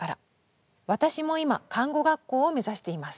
「私も今看護学校を目指しています。